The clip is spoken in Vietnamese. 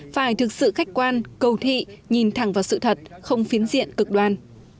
phải thực sự khách quan cầu thị nhìn thẳng vào sự thật không phiến diện cực đoan